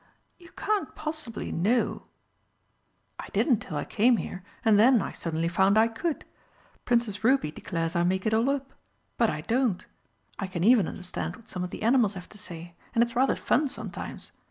"You can't possibly know!" "I didn't till I came here, and then I suddenly found I could. Princess Ruby declares I make it all up but I don't. I can even understand what some of the animals have to say, and its rather fun sometimes.